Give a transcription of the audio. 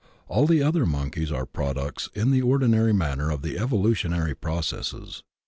All the other monkeys are products in the ordinary manner of the evolutionary processes.